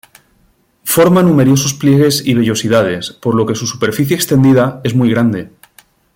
Forma numerosos pliegues y vellosidades, por lo que su superficie extendida es muy grande.